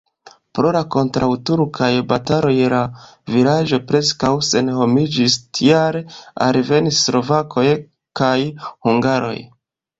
Pro la kontraŭturkaj bataloj la vilaĝo preskaŭ senhomiĝis, tial alvenis slovakoj kaj hungaroj.